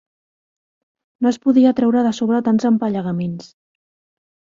No es podia treure de sobre tants empallegaments.